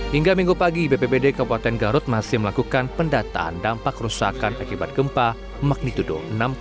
hingga minggu pagi bpbd kabupaten garut masih melakukan pendataan dampak kerusakan akibat gempa magnitudo enam tujuh